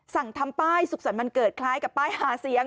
สั่งทำป้ายสุขสรรค์วันเกิดคล้ายกับป้ายหาเสียง